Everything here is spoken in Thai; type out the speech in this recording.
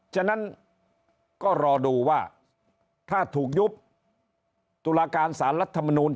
ฉะนั้นก็รอดูว่าถ้าถูกยุบตุลาการสารรัฐมนูล